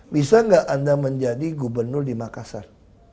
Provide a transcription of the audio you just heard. bisa nggak anda menjadi gubernur di makassar